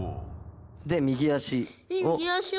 で右足を。